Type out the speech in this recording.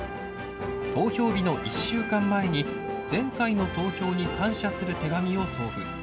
投票日の１週間前に前回の投票に感謝する手紙を送付。